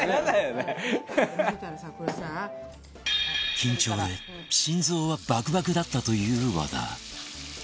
緊張で心臓はバクバクだったという和田